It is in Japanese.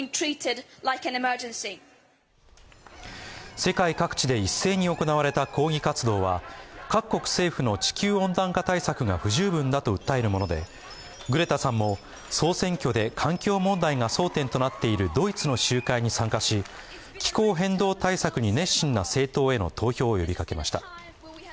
世界各地で一斉に行われた抗議活動は各国政府の地球温暖化対策が不十分だと訴えるものでグレタさんも、総選挙で環境問題が争点となっているドイツの集会に参加し、気候変動対策に熱心な政党への投票を呼びかけました。